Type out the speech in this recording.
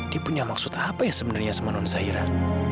dia punya maksud apa yang sebenarnya sama nonzairah